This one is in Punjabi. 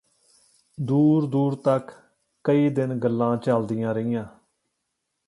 ਦੂਰ ਦੂਰ ਤੱਕ ਕਈ ਦਿਨ ਗੱਲ਼ਾਂ ਚੱਲਦੀਆਂ ਰਹੀਆਂ